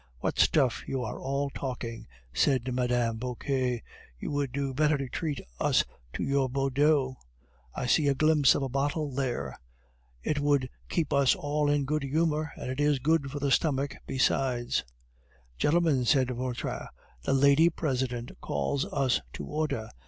"What stuff are you all talking!" said Mme. Vauquer; "you would do better to treat us to your Bordeaux; I see a glimpse of a bottle there. It would keep us all in a good humor, and it is good for the stomach besides." "Gentlemen," said Vautrin, "the Lady President calls us to order.